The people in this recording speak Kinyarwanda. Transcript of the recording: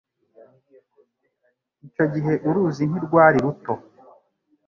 Icyo gihe uruzi ntirwari ruto.